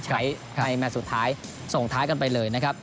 ใช่เล่นด้วยกันนะครับ